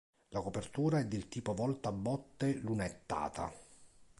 La copertura è del tipo volta a botte lunettata.